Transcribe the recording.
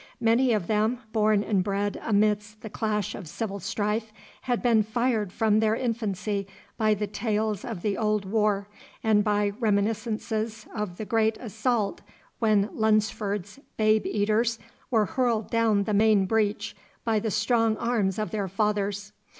Many of them, born and bred amidst the clash of civil strife, had been fired from their infancy by the tales of the old war, and by reminiscences of the great assault when Lunsford's babe eaters were hurled down the main breach by the strong arms of their fathers.